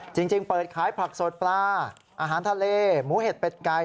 จริงเปิดขายผักสดปลาอาหารทะเลหมูเห็ดเป็ดไก่